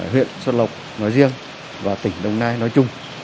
huyện xuân lộc nói riêng và tỉnh đồng nai nói chung